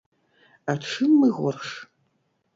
А чым мы горш?